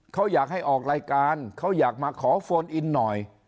เขาอยากให้ออกรายการเขาอยากมาขอโฟนอินหน่อย